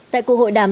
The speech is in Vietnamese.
tại cuộc hội đàm